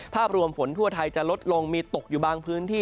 ภาพรวมฝนทั่วไทยจะลดลงมีตกอยู่บางพื้นที่